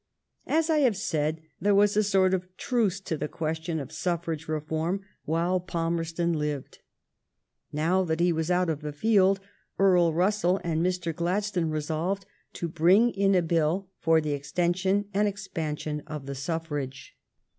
As I have said, there was a sort of truce to the question of suffrage reform while Palmerston lived. Now that he was out of the field, Earl Russell and Mr. Gladstone resolved to bring in a bill for the extension and the expansion of the suffrage.